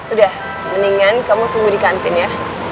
udah mendingan kamu tunggu di kantin ya